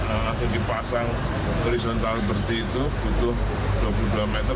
langsung dipasang horizontal bersih itu butuh dua puluh dua meter